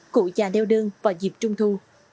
cụ già đeo đơn vào dịp trung thu